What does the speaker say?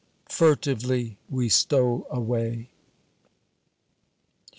Furtively we stole away.